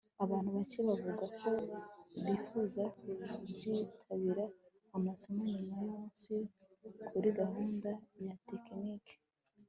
Abantu bake bavuze ko bifuza kuzitabira amasomo nyuma yumunsi kuri Gahunda ya Tekiniki